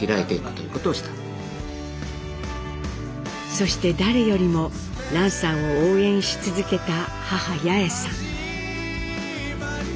そして誰よりも蘭さんを応援し続けた母八重さん。